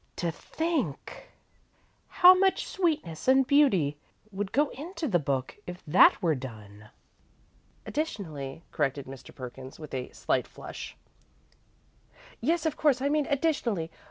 To think how much sweetness and beauty would go into the book, if that were done!" "Additionally," corrected Mr. Perkins, with a slight flush. "Yes, of course I mean additionally.